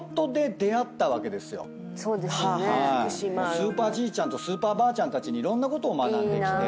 スーパーじいちゃんとスーパーばあちゃんたちにいろんなこと学んできて。